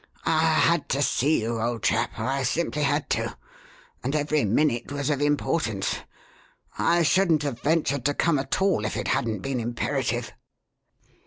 I had to see you, old chap I simply had to and every minute was of importance. I shouldn't have ventured to come at all if it hadn't been imperative."